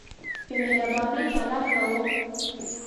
په مهربانۍ چلند کاوه.